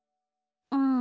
うん。